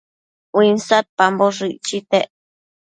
uinsadpamboshë icchitec